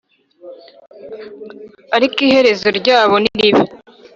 Ariko iherezo ryabo niribi